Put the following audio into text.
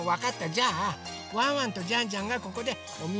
じゃあワンワンとジャンジャンがここでおみおくりをします。